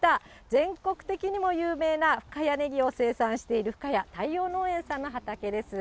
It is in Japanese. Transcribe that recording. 全国的にも有名な深谷ねぎを生産している、深谷、たいよう農園さんの畑です。